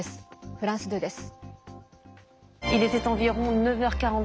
フランス２です。